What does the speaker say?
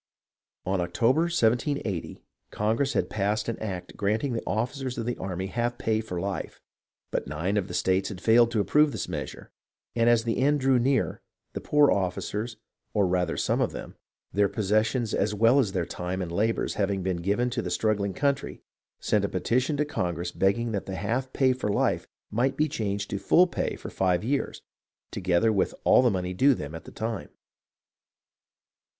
In October, 1780, Congress had passed an act granting the ofificers of the army half pay for life ; but nine of the states had failed to approve this measure, and as the end drew near, the poor officers, or rather some of them, their possessions as well as their time and labours having been given to the struggling country, sent a petition to Congress begging that the half pay for life might be changed to full pay for five years, together with all the money due them at the time.